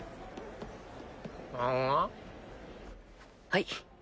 はい。